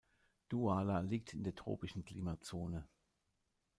Douala liegt in der tropischen Klimazone.